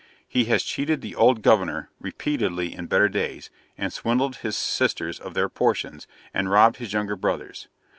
He has cheated the old 'governor' repeatedly in better days, and swindled his sisters of their portions, and robbed his younger brothers.